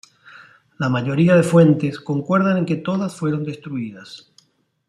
La mayoría de fuentes concuerdan en que todas fueron destruidas.